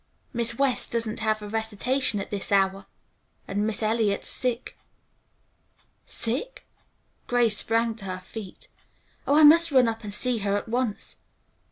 Miss West doesn't have a recitation at this hour, and Miss Eliot's sick." "Sick!" Grace sprang to her feet. "Oh, I must run up and see her at once.